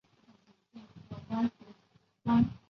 后被贬为蒲州同知。